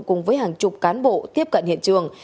cùng với hàng chục cán bộ tiếp cận hiện trường